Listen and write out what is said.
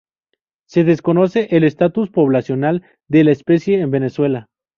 Se desconoce el estatus poblacional de la especie en Venezuela.